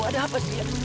ada apa sih